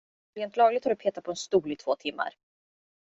Rent lagligt har du petat på en stol i två timmar!